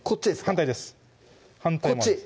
反対です反対回しこっち？